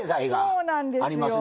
そうなんですよ。